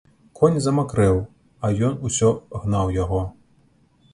Конь замакрэў, а ён усё гнаў яго.